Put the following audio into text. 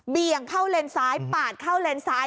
ี่ยงเข้าเลนซ้ายปาดเข้าเลนซ้าย